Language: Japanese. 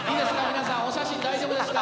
皆さんお写真大丈夫ですか？